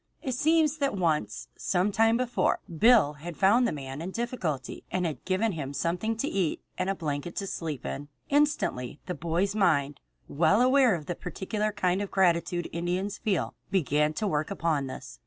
It seems that once, some time before, Bill had found the man in difficulty and had given him something to eat and a blanket to sleep in. Instantly the boy's mind, well aware of the peculiar kind of gratitude Indians feel, began to work upon this.